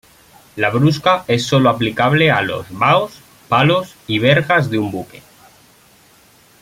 La brusca es solo aplicable a los baos, palos y vergas de un buque.